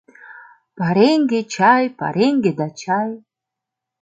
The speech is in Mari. Пареҥге, чай, пареҥге да чай -